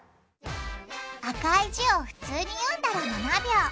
赤い字を普通に読んだら７秒。